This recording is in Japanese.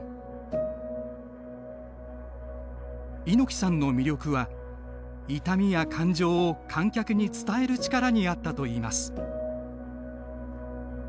猪木さんの魅力は痛みや感情を観客に伝える力にあったといいます。